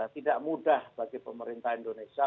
tidak mudah bagi pemerintah indonesia